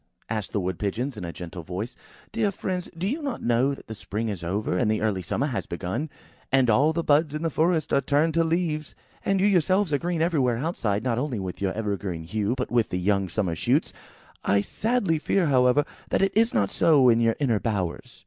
asked the Wood pigeons in a gentle voice. "Dear friends, do you not know that the spring is over, and the early summer has begun, and all the buds in the forest are turned to leaves? And you yourselves are green everywhere outside, not only with your evergreen hue, but with the young summer's shoots. I sadly fear, however, that it is not so in your inner bowers."